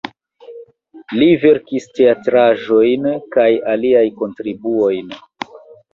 Li verkis teatraĵojn kaj aliajn kontribuojn.